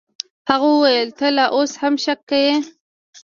هغه وويل ته لا اوس هم شک کيې.